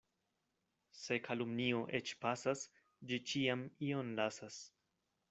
Se kalumnio eĉ pasas, ĝi ĉiam ion lasas.